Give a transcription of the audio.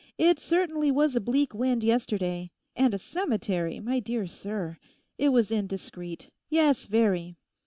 It certainly was a bleak wind yesterday—and a cemetery, my dear sir! It was indiscreet—yes, very.